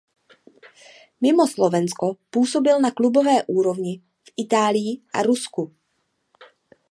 Mimo Slovensko působil na klubové úrovni v Itálii a Rusku.